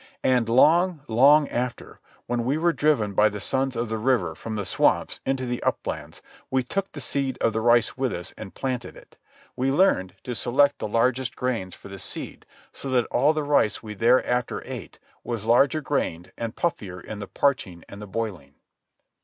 And long, long after, when we were driven by the Sons of the River from the swamps into the uplands, we took the seed of the rice with us and planted it. We learned to select the largest grains for the seed, so that all the rice we thereafter ate was larger grained and puffier in the parching and the boiling.